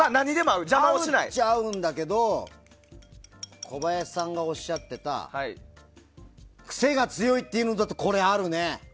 合うっちゃ合うんだけど小林さんがおっしゃってたクセが強いというのだとこれ、あるね。